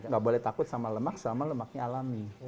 nggak boleh takut sama lemak selama lemaknya alami